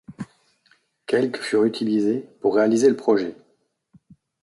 Quelque furent utilisés pour réaliser le projet.